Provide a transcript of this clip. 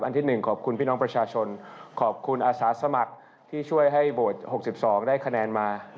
ที่๑ขอบคุณพี่น้องประชาชนขอบคุณอาสาสมัครที่ช่วยให้โหวต๖๒ได้คะแนนมา